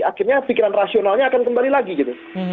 akhirnya pikiran rasionalnya akan kembali lagi gitu